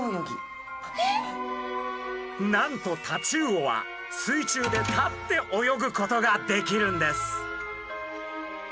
なんとタチウオは水中で立って泳ぐことができるんです。